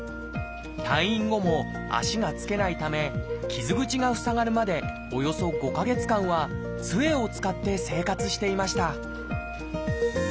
退院後も足がつけないため傷口が塞がるまでおよそ５か月間はつえを使って生活していました